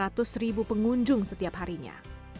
dan mencapai seratus pengunjung setiap harinya